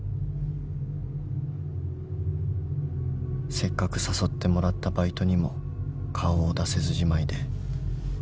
［せっかく誘ってもらったバイトにも顔を出せずじまいで］